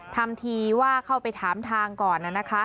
ทำทีว่าเข้าไปถามทางก่อน